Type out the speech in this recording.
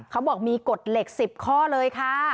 เขาบอกมีกฎเหล็ก๑๐ข้อเลยค่ะ